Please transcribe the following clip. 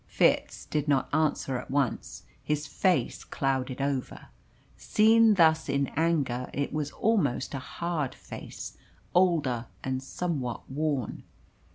Fitz did not answer at once. His face clouded over. Seen thus in anger, it was almost a hard face, older and somewhat worn.